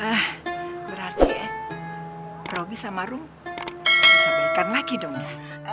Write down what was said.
eh berarti robi sama rum bisa berikan lagi dong ya